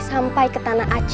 sampai ke tanah aceh